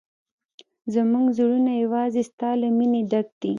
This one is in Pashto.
زموږ زړونه یوازې ستا له مینې ډک دي.